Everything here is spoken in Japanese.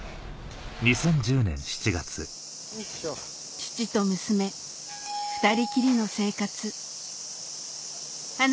父と娘２人きりの生活はな